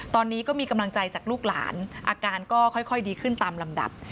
ตอนนี้ก็มีกำลังใจจากลูกหลานอาการก็ค่อยดีขึ้นตามลำดับ